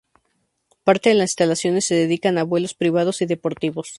Parte de las instalaciones se dedican a vuelos privados y deportivos.